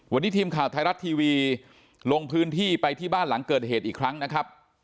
วันนี้ทีมข่าวไทยรัฐทีวีลงพื้นที่ไปที่บ้านหลังเกิดเหตุอีกครั้งนะครับ